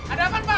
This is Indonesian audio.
ada apaan pak